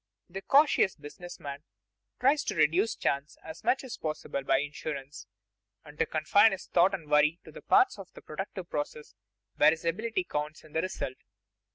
The cautious business man tries to reduce chance as much as possible by insurance, and to confine his thought and worry to the parts of the productive process where his ability counts in the result.